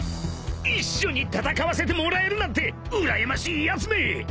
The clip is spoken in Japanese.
［一緒に戦わせてもらえるなんてうらやましいやつめ！］